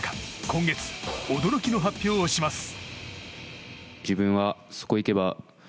今月、驚きの発表をします。